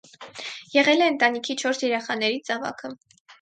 Եղել է ընտանիքի չորս երեխաներից ավագը։